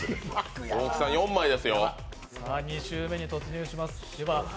２周目に突入します。